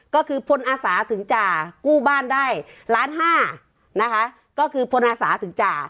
ก็คือพลอาสาถึงจะกู้บ้านได้ล้านห้านะคะก็คือพลอาสาถึงจ่า